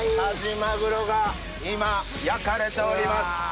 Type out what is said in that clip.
但馬玄が今焼かれております。